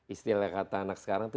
istilah kata anak sekarang itu